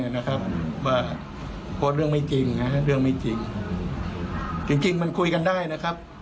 นะครับว่าเพราะเรื่องไม่จริงเรื่องไม่จริงจริงมันคุยกันได้นะครับ